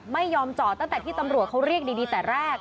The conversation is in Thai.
ไม่ยอมจอดตั้งแต่ที่ตำรวจเขาเรียกดีแต่แรก